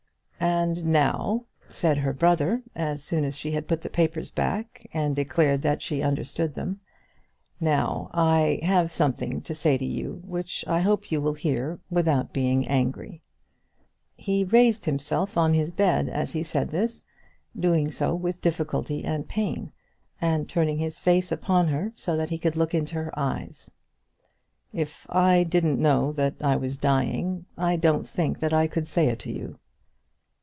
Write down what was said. "And now," said her brother, as soon as she had put the papers back, and declared that she understood them. "Now I have something to say to you which I hope you will hear without being angry." He raised himself on his bed as he said this, doing so with difficulty and pain, and turning his face upon her so that he could look into her eyes. "If I didn't know that I was dying I don't think that I could say it to you."